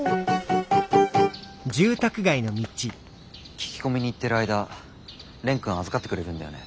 聞き込みに行ってる間蓮くん預かってくれるんだよね。